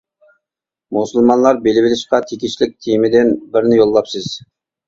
مۇسۇلمانلار بىلىۋېلىشقا تېگىشلىك تېمىدىن بىرنى يوللاپسىز!